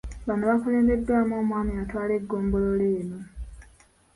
Bano bakulembeddwamu omwami atwala eggombolola eno.